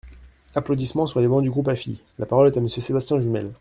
(Applaudissements sur les bancs du groupe FI.) La parole est à Monsieur Sébastien Jumel.